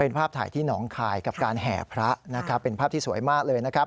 เป็นภาพถ่ายที่หนองคายกับการแห่พระนะครับเป็นภาพที่สวยมากเลยนะครับ